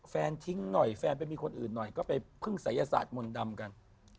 ทิ้งหน่อยแฟนไปมีคนอื่นหน่อยก็ไปพึ่งศัยศาสตร์มนต์ดำกัน